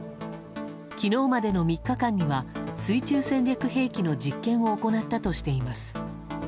昨日までの３日間は水中戦略兵器の実験を行ったとしています。